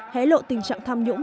hẽ lộ tình trạng tham nhũng